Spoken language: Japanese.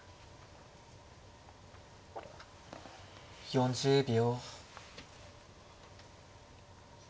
４０秒。